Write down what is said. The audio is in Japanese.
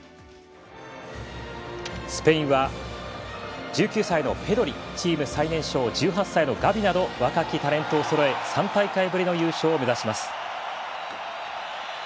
スペインは１９歳のペドリチーム最年少１８歳のガビなど若きタレントをそろえ３大会ぶりの優勝を目指します。